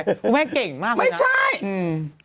คุณแม่เก่งมากคุณแม่น่ะอืมไม่ใช่